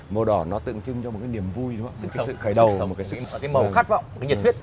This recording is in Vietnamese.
màu đỏ nó tượng trưng cho một cái niềm vui một cái sự khởi đầu một cái màu khát vọng một cái nhiệt huyết